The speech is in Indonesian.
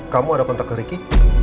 kamu ada kontak ke ricky